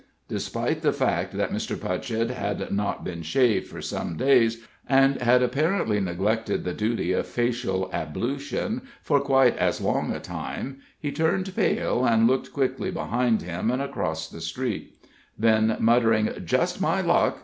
Despite the fact that Mr. Putchett had not been shaved for some days, and had apparently neglected the duty of facial ablution for quite as long a time, he turned pale and looked quickly behind him and across the street; then muttering "Just my luck!"